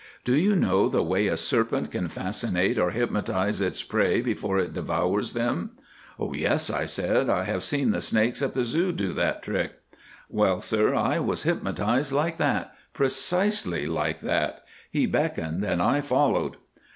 Do you know the way a serpent can fascinate or hypnotise its prey before it devours them?" "Yes," I said, "I have seen the snakes at the Zoo do that trick." "Well, sir, I was hypnotised like that—precisely like that. He beckoned and I followed.